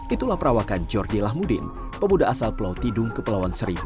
itulah perawakan jordi lahmudin pemuda asal pelautidung ke pelawan seribu